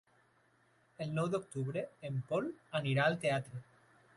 El nou d'octubre en Pol anirà al teatre.